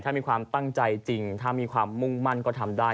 ถ้ามีความตั้งใจจริงถ้ามีความมุ่งมั่นก็ทำได้